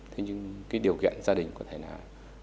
thế nhưng cái điều kiện gia đình có thể là